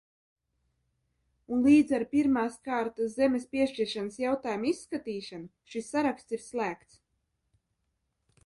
Un līdz ar pirmās kārtas zemes piešķiršanas jautājumu izskatīšanu šis saraksts ir slēgts.